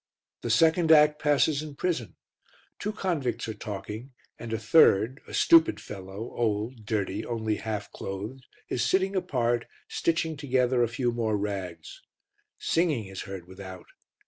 The second act passes in prison. Two convicts are talking and a third, a stupid fellow, old, dirty, only half clothed, is sitting apart, stitching together a few more rags. Singing is heard without.